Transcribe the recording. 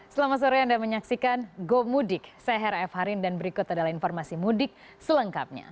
selamat sore anda menyaksikan go mudik saya hera f harin dan berikut adalah informasi mudik selengkapnya